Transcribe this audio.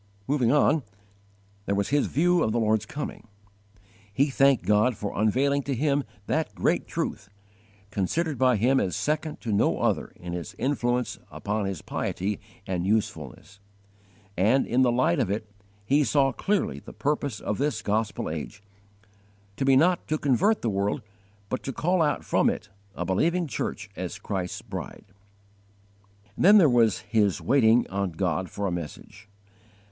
14. His view of the Lord's coming. He thanked God for unveiling to him that great truth, considered by him as second to no other in its influence upon his piety and usefulness; and in the light of it he saw clearly the purpose of this gospel age, to be not to convert the world but to call out from it a believing church as Christ's bride. 15. His _waiting on God for a message.